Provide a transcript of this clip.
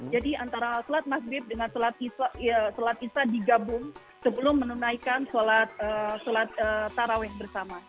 jadi antara sholat maghrib dengan sholat isya' digabung sebelum menunaikan sholat taraweeh bersama